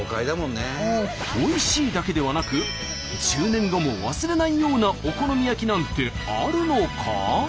おいしいだけではなく１０年後も忘れないようなお好み焼きなんてあるのか？